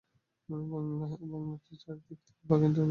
বাংলাটির চারি দিকে বাগান করিবার মতো জমি যথেষ্ট আছে।